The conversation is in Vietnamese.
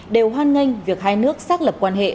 hoan nghênh việc hai nước xác lập quan hệ